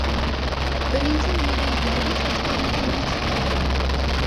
بىرىنچى يىلى يەرگە چاچقان پۇلمۇ چىقمىدى.